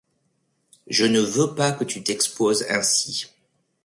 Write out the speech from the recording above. Je ne veux pas que tu t’exposes ainsi.